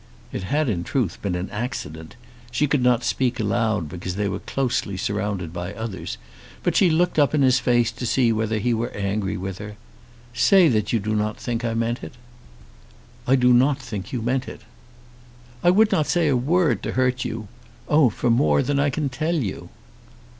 It had in truth been an accident. She could not speak aloud because they were closely surrounded by others, but she looked up in his face to see whether he were angry with her. "Say that you do not think I meant it." "I do not think you meant it." "I would not say a word to hurt you, oh, for more than I can tell you."